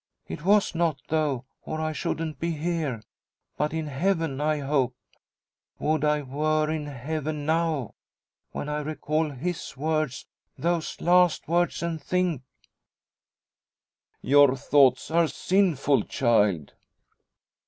It was not, though, or I shouldn't be here, but in heaven I hope. Would I were in heaven now! When I recall his words those last words and think " "Your thoughts are sinful, child!"